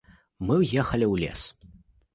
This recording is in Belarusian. Мы ўехалі ў лес.